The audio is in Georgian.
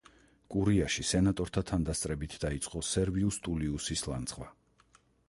კურიაში სენატორთა თანდასწრებით დაიწყო სერვიუს ტულიუსის ლანძღვა.